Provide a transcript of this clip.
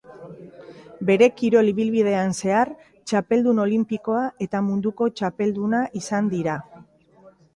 Bere kirol-ibilbidean zehar, txapeldun olinpikoa eta munduko txapelduna izan da.